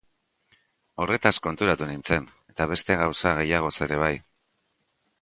Horretaz konturatu nintzen, eta beste gauza gehiagoz ere bai.